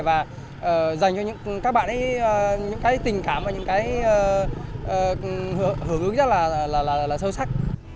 và dành cho các bạn ấy những cái tình cảm và những cái hưởng ứng rất là sâu sắc